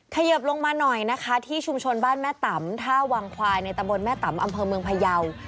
เขยิบลงมาหน่อยนะคะที่ชุมชนบ้านแม่ต่ำท่าวังควายในตำบลแม่ตำอำเภอเมืองพยาว